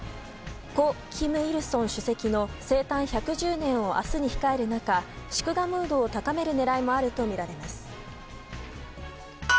故・金日成主席の生誕１１０年を明日に控える中祝賀ムードを高める狙いもあるとみられます。